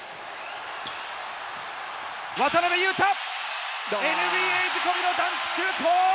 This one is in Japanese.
渡邊雄太、ＮＢＡ仕込みのダンクシュート。